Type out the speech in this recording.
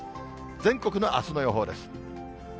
全国のあすの予報です。